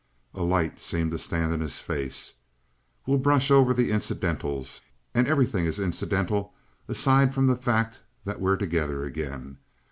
A light seemed to stand in his face. "We'll brush over the incidentals. And everything is incidental aside from the fact that we're together again.